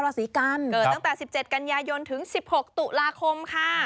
ราศีกันเกิดตั้งแต่๑๗กันยายนถึง๑๖ตุลาคมค่ะ